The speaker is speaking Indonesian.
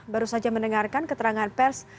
baru saja mendengarkan keterangan pers